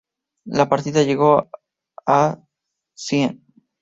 La partida llegó a St.